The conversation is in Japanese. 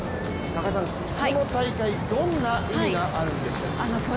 高橋さん、この大会、どんな意味があるんでしょうか。